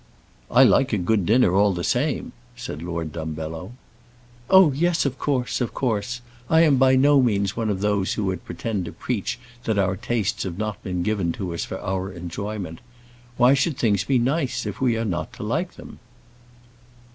"I like a good dinner all the same," said Lord Dumbello. "Oh, yes, of course of course. I am by no means one of those who would pretend to preach that our tastes have not been given to us for our enjoyment. Why should things be nice if we are not to like them?"